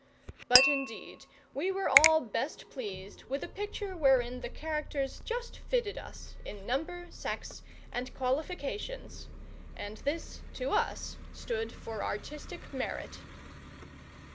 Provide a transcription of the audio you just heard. But indeed we were all best pleased with a picture wherein the characters just fitted us, in number, sex, and qualifications; and this, to us, stood for artistic merit.